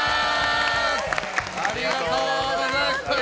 ありがとうございます。